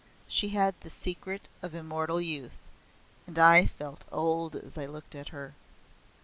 She had the secret of immortal youth, and I felt old as I looked at her.